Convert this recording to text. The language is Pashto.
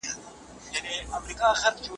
جوړه وه رنګینه